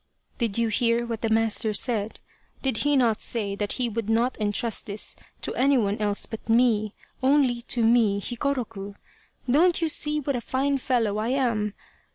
" Did you hear what the master said ? Did he not say that he would not entrust this to anyone else but me only to me Hikoroku don't you see what a fine fellow I am